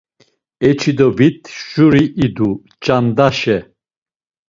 Eçi do vit şuri idu ç̌andaşe.